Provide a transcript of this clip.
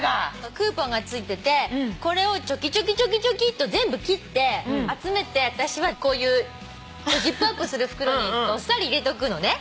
クーポンが付いててこれをチョキチョキチョキチョキと全部切って集めて私はこういうジップアップする袋にどっさり入れとくのね。